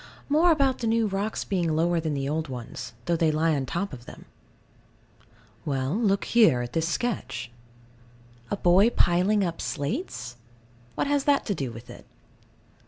More about the new rocks being lower than the old ones, though they lie on the top of them. Well, look here, at this sketch. A boy piling up slates? What has that to do with it?